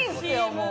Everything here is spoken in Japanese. もう。